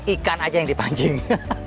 ikan saja yang dipancing